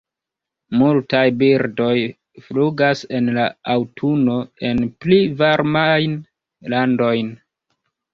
Multaj birdoj flugas en la aŭtuno en pli varmajn landojn.